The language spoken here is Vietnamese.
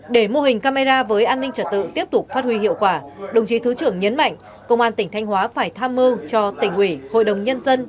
để mô hình camera với an ninh trật tự tiếp tục phát huy hiệu quả đồng chí thứ trưởng nhấn mạnh công an tỉnh thanh hóa phải tham mưu cho tỉnh ủy hội đồng nhân dân